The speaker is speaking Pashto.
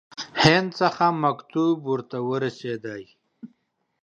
هند څخه مکتوب ورته ورسېدی.